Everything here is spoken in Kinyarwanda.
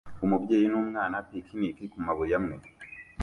Umubyeyi n'umwana picnic kumabuye amwe